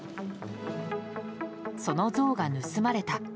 その像が盗まれた。